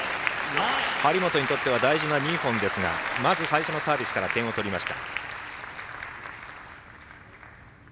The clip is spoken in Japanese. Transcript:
張本にとっては大事な２本ですが最初のサービスから点を取りました。